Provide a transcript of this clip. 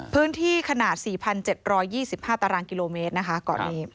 พื้นที่ขนาด๔๗๒๕ตารางกิโลเมตรนะคะเกาะนี้